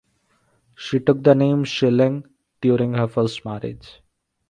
She took the name Schilling during her first marriage.